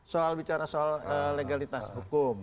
soal bicara soal legalitas hukum